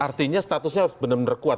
artinya statusnya benar benar kuat